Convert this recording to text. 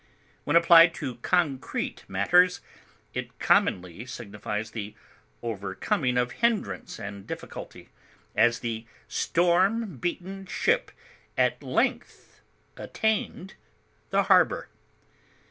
When applied to concrete matters, it commonly signifies the overcoming of hindrance and difficulty; as, the storm beaten ship at length attained the harbor.